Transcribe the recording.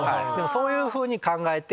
そういうふうに考えて。